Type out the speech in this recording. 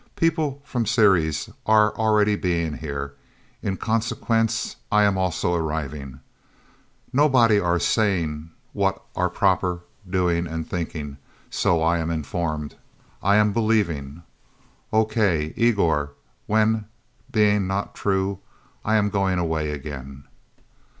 People from Ceres are already being here; in consequence, I am also arriving. Nobody are saying what are proper doing and thinking so I am informed. I am believing okay, Igor. When being not true, I am going away again."